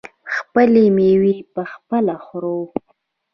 خپلې میوې پخپله خورو.